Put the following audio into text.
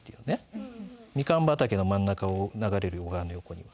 「蜜柑畑の真ん中を流れる小川の横には」